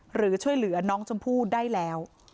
หรือช่วยเหลือน้องชมพู่ได้แล้ว